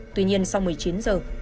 tuy nhiên sau một mươi chín giờ